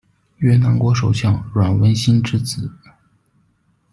越南国首相阮文心之子。